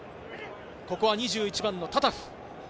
ここは２１番のタタフ。